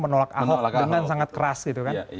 menolak ahok dengan sangat keras gitu kan